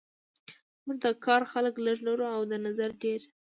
موږ د کار خلک لږ لرو او د نظر ډیر